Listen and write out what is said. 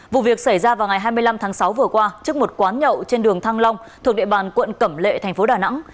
vụ việc xảy ra vào ngày hai mươi năm tháng sáu vừa qua trước một quán nhậu trên đường thăng long thuộc địa bàn quận cẩm lệ thành phố đà nẵng